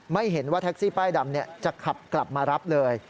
ไม่เห็นว่าแท็กซี่ป้ายดำจะขับกลับมารับเลย